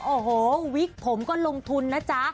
โอ้โหวิกผมก็ลงทุนนะจ๊ะ